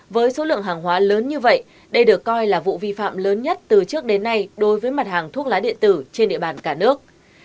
với số lượng hàng hóa lớn như vậy đây được coi là vụ vi phạm lớn nhất từ trước đến nay đối với mặt hàng thuốc lá điện tử trên địa bàn cả nước